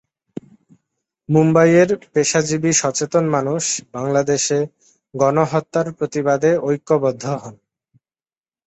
মুম্বাইয়ের পেশাজীবী সচেতন মানুষ বাংলাদেশে গণহত্যার প্রতিবাদে ঐক্যবদ্ধ হন।